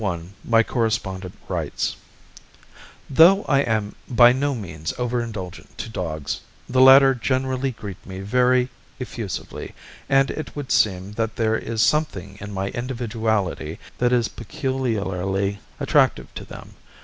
1 my correspondent writes: "Though I am by no means over indulgent to dogs, the latter generally greet me very effusively, and it would seem that there is something in my individuality that is peculiarly attractive to them.